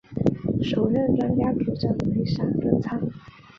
首任专家组组长为闪淳昌。